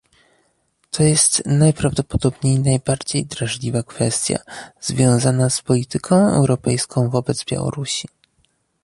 To jest najprawdopodobniej najbardziej drażliwa kwestia związana z polityką europejską wobec Białorusi